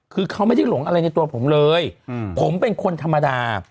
คือเขาไม่ได้หลงอะไรในตัวผมเลยผมเป็นคนธรรมดา